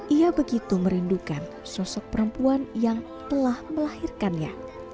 ia begitu merindukan sosok perempuan yang telah melahirkannya